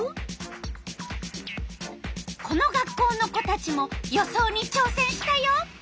この学校の子たちも予想にちょうせんしたよ。